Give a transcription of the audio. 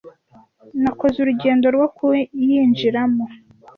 nakoze urugendo rwo kuyinjiramo